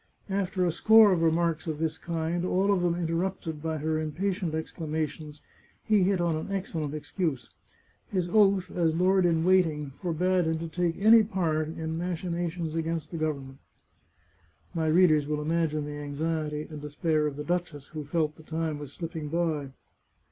After a score of remarks of this kind, all of them interrupted by her impatient ex clamations, he hit on an excellent excuse. His oath as lord in waiting forbade him to take part in any machinations against the government. My readers will imagine the anxiety and despair of the duchess, who felt the time was slipping by.